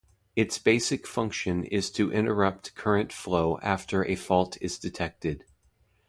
Its basic function is to interrupt current flow after a fault is detected.